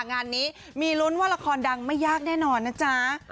งานนี้มีลุ้นว่าละครดังไม่ยากแน่นอนนะจ๊ะ